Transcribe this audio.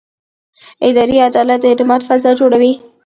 اداري عدالت د اعتماد فضا جوړوي.